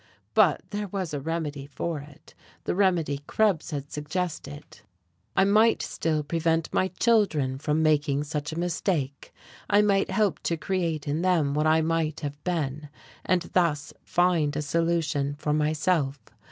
But there was a remedy for it the remedy Krebs had suggested: I might still prevent my children from making such a mistake, I might help to create in them what I might have been, and thus find a solution for myself.